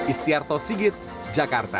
istiarto sigit jakarta